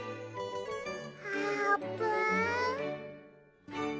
あーぷん。